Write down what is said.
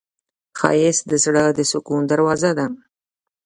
ښایست د زړه د سکون دروازه ده